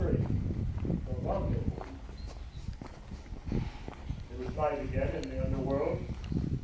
XXIII—THE RENDEZVOUS It was night again in the underworld.